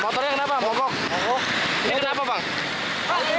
banjir kayak gini